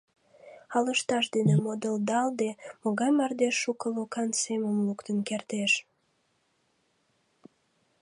А лышташ дене модылдалде, могай мардеж шуко лукан семым луктын кертеш.